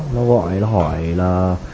nó gọi nó hỏi là